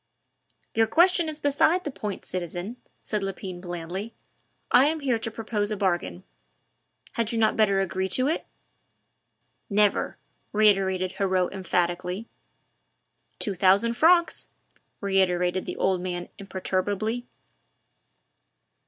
"Your question is beside the point, citizen," said Lepine blandly; "I am here to propose a bargain. Had you not better agree to it?" "Never!" reiterated Heriot emphatically. "Two thousand francs," reiterated the old man imperturbably.